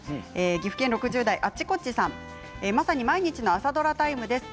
岐阜県６０代の方まさに毎日の朝ドラタイムです。